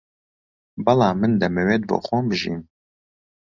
بەڵام من دەمەوێت بۆ خۆم بژیم